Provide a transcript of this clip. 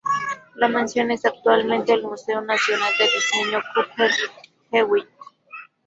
La mansión es actualmente el Museo Nacional de Diseño Cooper-Hewitt.